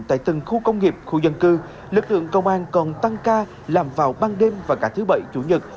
tại từng khu công nghiệp khu dân cư lực lượng công an còn tăng ca làm vào ban đêm và cả thứ bảy chủ nhật